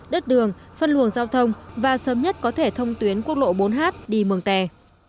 đất đường phân luồng giao thông và sớm nhất có thể thông tuyến quốc lộ bốn h đi mường tè